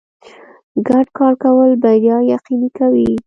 ګډ کار کول بریا یقیني کوي.